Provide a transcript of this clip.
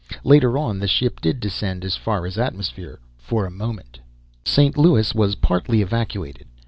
Later on the ship did descend as far as atmosphere, for a moment ... St. Louis was partly evacuated.